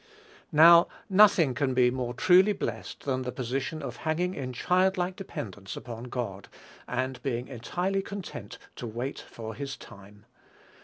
Now, nothing can be more truly blessed than the position of hanging in child like dependence upon God, and being entirely content to wait for his time.